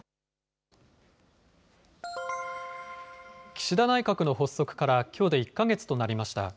岸田内閣の発足からきょうで１か月となりました。